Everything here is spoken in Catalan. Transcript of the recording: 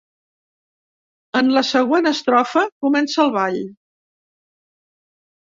En la següent estrofa comença el ball.